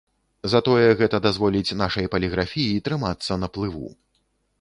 Затое гэта дазволіць нашай паліграфіі трымацца на плыву.